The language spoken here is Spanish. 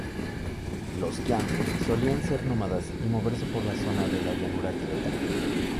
Los qiang solían ser nómadas y moverse por la zona de la llanura tibetana.